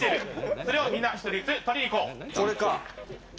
それをみんな、１人ずつ取りに行こう。